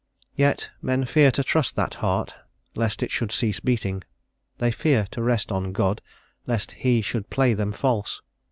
Yet men fear to trust that Heart, lest it should cease beating; they fear to rest on God, lest He should play them false.